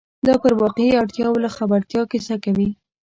دا پر واقعي اړتیاوو له خبرتیا کیسه کوي.